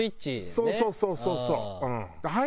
そうそうそうそうそう。